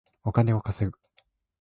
お金を稼ぐ